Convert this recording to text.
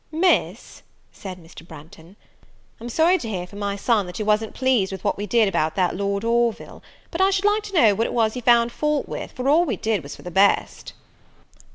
"Miss," said Mr. Branghton, "I'm sorry to hear from my son that you wasn't pleased with what we did about that Lord Orville: but I should like to know what it was you found fault with, for we did all for the best."